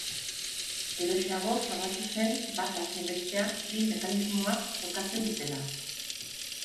Geroxeago frogatu zen bata zein bestea, bi mekanismoak, jokatzen dutela.